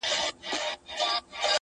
تاسې په لومړي یو نیم کال کې